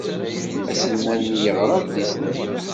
Aselmad-nni yeɣra adlis-nni.